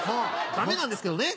ダメなんですけどね。